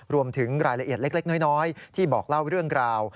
รวมถึงรายละเอียดเล็กน้อยที่บอกเล่าเรื่องราว